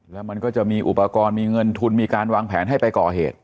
แล้วมันก็จะมีอุปกรณ์มีเงินทุนมีการวางแผนให้ไปก่อเหตุ